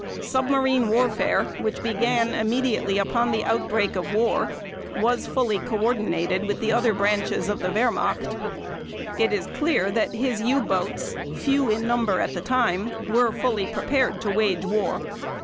Submarine warfare which began immediately upon the outbreak of war, was fully coordinated with the other branches of the Wehrmacht. It is clear that his U boats, few in number at the time, were fully prepared to wage war.